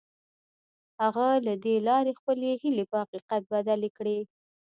هغه له دې لارې خپلې هيلې په حقيقت بدلې کړې.